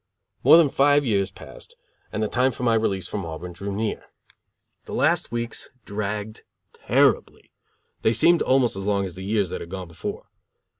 More than five years passed, and the time for my release from Auburn drew near. The last weeks dragged terribly; they seemed almost as long as the years that had gone before.